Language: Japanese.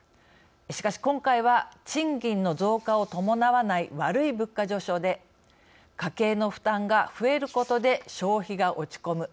しかし、今回は賃金の増加を伴わない悪い物価上昇で家計の負担が増えることで消費が落ち込む。